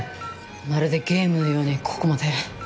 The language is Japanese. まるでゲームのようにここまで。